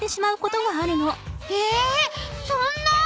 えそんな。